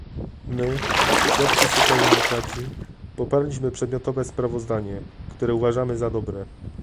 My, szwedzcy socjaldemokraci, poparliśmy przedmiotowe sprawozdanie, które uważamy za dobre